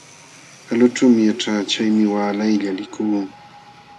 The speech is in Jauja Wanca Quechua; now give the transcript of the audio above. Kalućhuumi yaćhaa, chaymi waalaylla likuu.